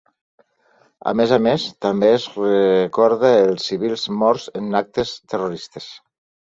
A més a més, també es recorda els civils morts en actes terroristes.